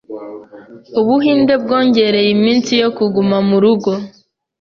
U Buhinde bwongereye iminsi yo kuguma mu rugo